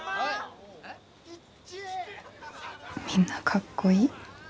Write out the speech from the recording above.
・みんなかっこいい。